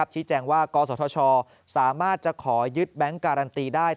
ชี้แจงว่ากศธชสามารถจะขอยึดแบงค์การันตีได้